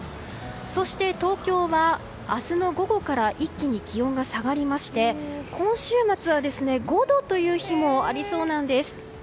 そして、東京は明日の午後から一気に気温が下がりまして今週末は５度という日もありそうなんです。